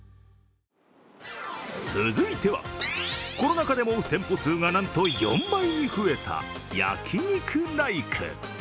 続いてはコロナ禍でも店舗数がなんと４倍に増えた焼肉ライク。